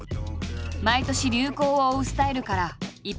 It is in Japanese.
毎年流行を追うスタイルから一変した。